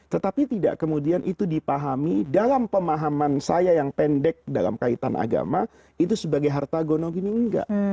tetapi tidak kemudian itu dipahami dalam pemahaman saya yang pendek dalam kaitan agama itu sebagai harta gonogini enggak